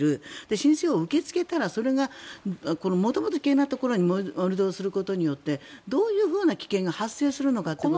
申請を受け付けたら元々、危険なところに盛り土をすることによってどういうふうな危険が発生するのかというのが。